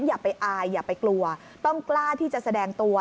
อย่าไปอายอย่าไปกลัวต้องกล้าที่จะแสดงตัว